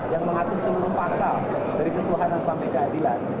yang mengatur seluruh pasal dari ketuhanan sampai keadilan